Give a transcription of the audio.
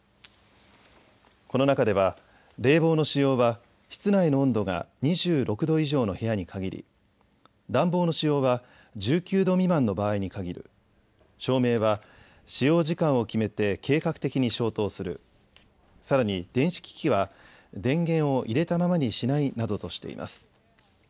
この中では、冷房の使用は室内の温度が２６度以上の部屋に限り、暖房の使用は１９度未満の場合に限る、照明は使用時間を決めて計画的に消灯する、さらに電子機器は電源を入れたままにしないなどとしています。